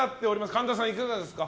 神田さん、いかがですか？